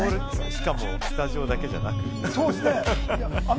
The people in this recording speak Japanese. しかもスタジオだけじゃなく。